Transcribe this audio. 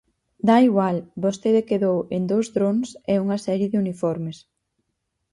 Dá igual, vostede quedou en dous drons e unha serie de uniformes.